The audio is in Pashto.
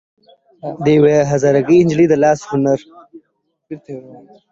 او د يوې هزاره ګۍ نجلۍ د لاس هنر